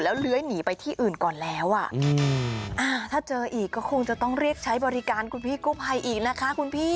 แล้วเลื้อยหนีไปที่อื่นก่อนแล้วอ่ะถ้าเจออีกก็คงจะต้องเรียกใช้บริการคุณพี่กู้ภัยอีกนะคะคุณพี่